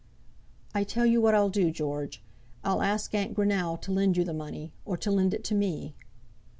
"I tell you what I'll do, George. I'll ask Aunt Greenow to lend you the money, or to lend it to me."